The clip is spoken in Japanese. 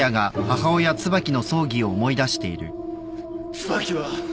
椿は